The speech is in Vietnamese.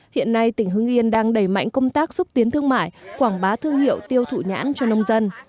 hiện nay tỉnh hưng yên đang đẩy mạnh công tác xúc tiến thương mại quảng bá thương hiệu tiêu thụ nhãn cho nông dân